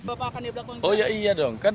oh iya dong kan penenggelaman kapal